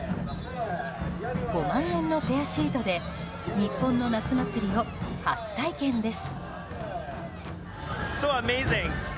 ５万円のペアシートで日本の夏祭りを初体験です。